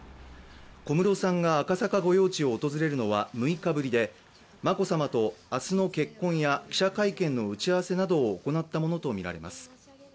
小室さんが赤坂御用地を訪れるのは６日ぶりで眞子さまと明日の結婚や記者会見の打ち合わせなどを行ったものとみられます。